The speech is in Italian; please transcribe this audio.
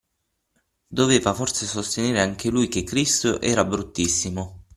Doveva forse sostenere anche lui che Cristo era bruttissimo.